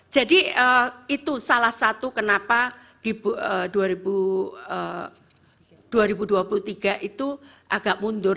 jadi itu salah satu kenapa dua ribu dua puluh tiga itu agak mundur